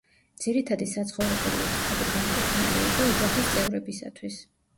ძირითადი საცხოვრებელი ოთახები განკუთვნილი იყო ოჯახის წევრებისათვის.